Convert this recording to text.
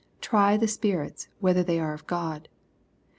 " Try the spirits whether they are of God."